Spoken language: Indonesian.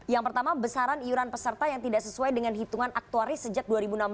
yang pertama besaran iuran peserta yang tidak sesuai dengan hitungan aktuaris sejak dua ribu enam belas